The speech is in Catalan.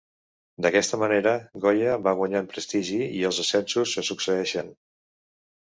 D'aquesta manera Goya va guanyant prestigi, i els ascensos se succeeixen.